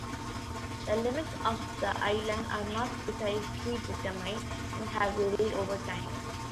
The limits of the island are not precisely determined and have varied over time.